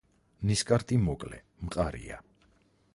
ნისკარტი მოკლე, მყარია.